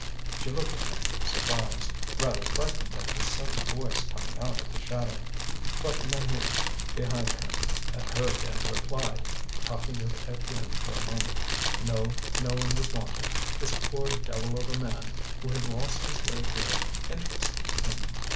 She looked at him surprised, rather frightened at this sudden voice coming out of the shadow. But Maheu, behind her, had heard and replied, talking with Étienne for a moment. No, no one was wanted. This poor devil of a man who had lost his way here interested him.